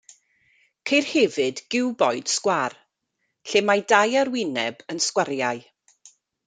Ceir hefyd giwboid sgwâr, lle mae dau arwyneb yn sgwariau.